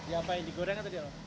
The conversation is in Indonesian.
ya apa yang digoreng atau dialog